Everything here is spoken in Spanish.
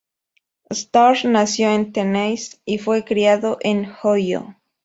Starr nació en Tennessee y fue criado en Ohio.